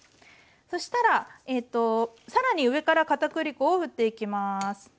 そしたら更に上からかたくり粉をふっていきます。